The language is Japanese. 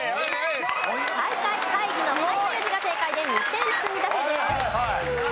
再会会議の「会」という字が正解で２点積み立てです。